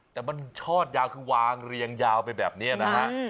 แต่มันชอดยาวคือวางเรียงยาวไปแบบนี้นะฮะ